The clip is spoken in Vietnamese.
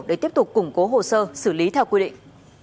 để tiếp tục củng cố hồ sơ xử lý theo quy định